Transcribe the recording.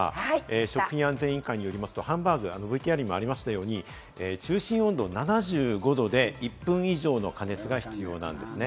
食品安全委員会によりますとハンバーグ、ＶＴＲにもあったように、中心温度７５℃で１分以上の加熱が必要なんですね。